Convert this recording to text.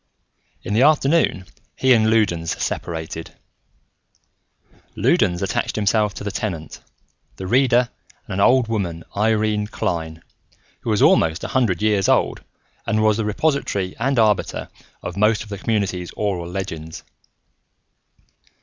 In the afternoon, he and Loudons separated. Loudons attached himself to the Tenant, the Reader and an old woman, Irene Klein, who was almost a hundred years old and was the repository and arbiter of most of the community's oral legends.